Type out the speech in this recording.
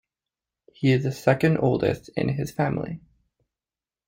He is the second oldest in his family.